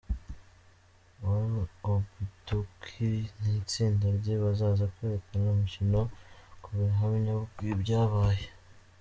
Wale Obutoku n’itsinda rye bazaza kwerekana umukino ku buhamya bw’ibyabaye.